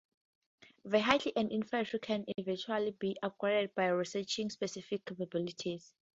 Vehicles and infantry can eventually be upgraded by researching specific capabilities.